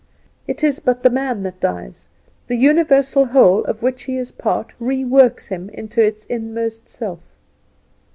It is but the man that dies, the Universal Whole of which he is part reworks him into its inmost self.